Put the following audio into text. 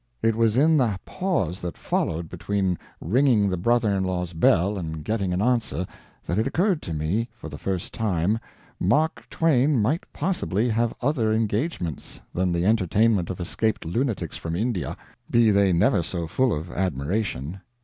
It was in the pause that followed between ringing the brother in law's bell and getting an answer that it occurred to me for the first time Mark Twain might possibly have other engagements than the entertainment of escaped lunatics from India, be they never so full of admiration.